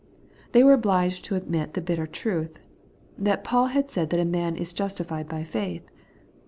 They were obliged to admit the bitter truth, that Paul had said that a man is justified by faith.